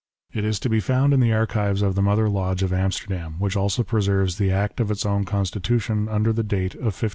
It is to be found in the archives of the Mother Lodge of Amsterdam, which also preserves the act of its own constitution under the date of 1519.